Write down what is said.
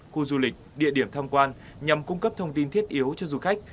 khu du lịch địa điểm tham quan nhằm cung cấp thông tin thiết yếu cho du khách